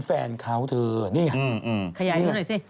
แฟนก่าวก็ชื่อวิทย์